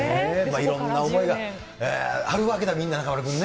いろんな思いがあるわけだ、みんな、中丸君ね。